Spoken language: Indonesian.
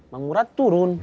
mang murad turun